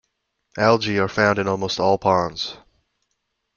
Algae are found in almost all ponds.